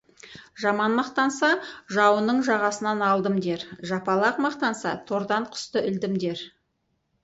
Жаман мақтанса, жауының жағасынан алдым дер, жапалақ мақтанса, тордан құсты ілдім дер.